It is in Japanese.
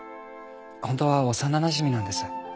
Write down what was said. ホントは幼なじみなんです。